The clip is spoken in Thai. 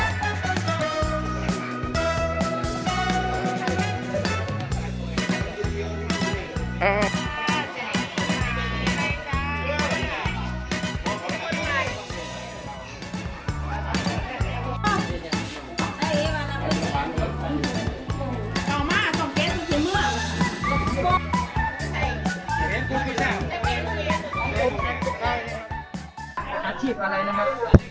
อาชีพอะไรนะครับ